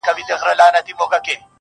دا برخه د کيسې تر ټولو توره مرحله ده,